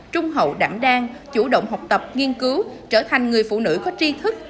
trung hậu đảm đang chủ động học tập nghiên cứu trở thành người phụ nữ có tri thức